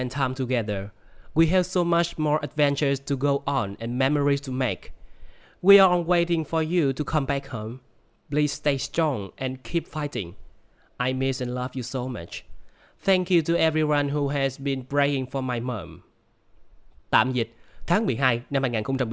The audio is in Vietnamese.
tạm dịch tháng một mươi hai năm hai nghìn một mươi chín